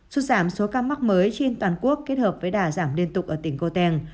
xuất giảm số ca mắc mới trên toàn quốc kết hợp với đà giảm liên tục ở tỉnh goten